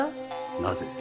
なぜ？